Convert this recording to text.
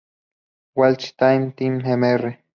What's The Time Mr.